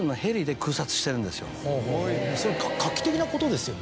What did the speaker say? それ画期的なことですよね。